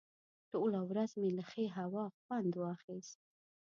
ټوله ورځ مې له ښې هوا خوند واخیست.